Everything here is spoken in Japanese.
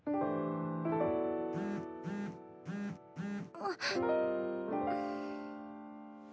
あっ！